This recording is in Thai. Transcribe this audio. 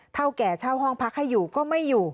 เท่าแก่เช่าห้องพักให้อยู่ก็ไม่อยู่